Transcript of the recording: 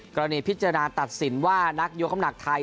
พิจารณาตัดสินว่านักยกคำหนักไทย